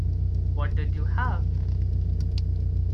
What did you have?